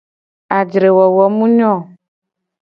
Ajre wowo mu nyo o.